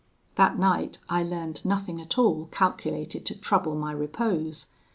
That night I learned nothing at all calculated to trouble my repose.